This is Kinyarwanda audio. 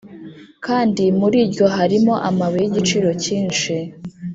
kandi muri ryo harimo amabuye y’igiciro cyinshi.